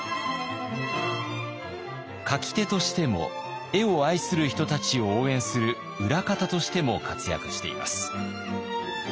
描き手としても絵を愛する人たちを応援する裏方としても活躍しています。